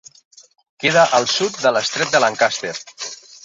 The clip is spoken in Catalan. Queda al sud de l'estret de Lancaster.